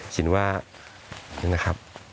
คิดว่านี่นะครับ